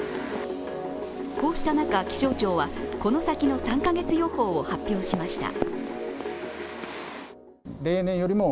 こうした中、気象庁は、この先の３カ月予報を発表しました。